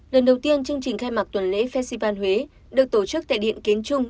lần đầu tiên chương trình khai mạc tuần lễ festival huế được tổ chức tại điện kiến trung